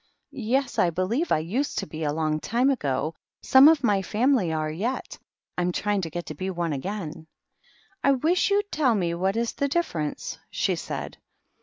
" Yes, I believe I used to be, a long time ago. Some of my family are yet. I'm trying to get to be one again." " I wish you'd tell me what is the difference," she said.